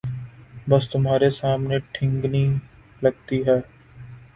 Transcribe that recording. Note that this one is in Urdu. بس تمہارے سامنے ٹھگنی لگتی ہوں۔